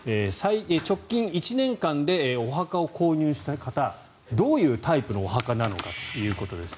直近１年間でお墓を購入した方どういうタイプのお墓なのかということです。